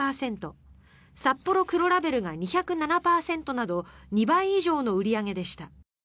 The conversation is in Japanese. サッポロ黒ラベルが２０７％など２倍以上の売り上げでした。